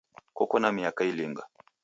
Koko na miaka ilinga?.